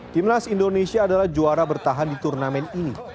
timnas indonesia adalah juara bertahan di turnamen ini